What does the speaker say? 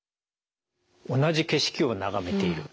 同じ景色を眺めている。